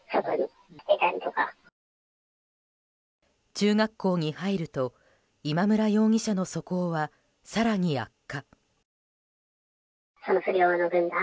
中学校に入ると今村容疑者の素行は更に悪化。